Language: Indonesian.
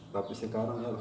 tapi sekarang alhamdulillah